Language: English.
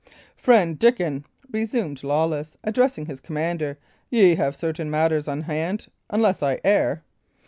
"Friend Dickon," resumed Lawless, addressing his commander, "ye have certain matters on hand, unless I err?